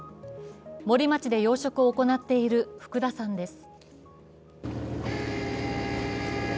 森町で養殖を行っている福田さんです。